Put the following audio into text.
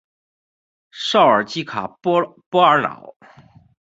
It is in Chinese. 绍尔基卡波尔瑙。